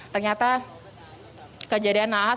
ternyata kejadian naat